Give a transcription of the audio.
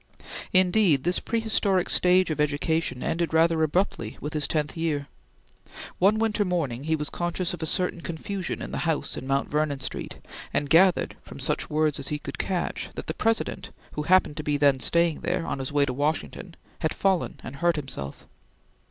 Indeed this prehistoric stage of education ended rather abruptly with his tenth year. One winter morning he was conscious of a certain confusion in the house in Mount Vernon Street, and gathered, from such words as he could catch, that the President, who happened to be then staying there, on his way to Washington, had fallen and hurt himself.